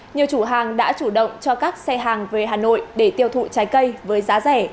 nhiều chủ hàng đã chủ động cho các xe hàng về hà nội để tiêu thụ trái cây với giá rẻ